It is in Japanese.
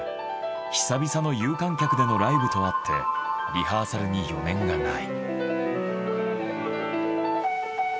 久々の有観客でのライブとあってリハーサルに余念がない。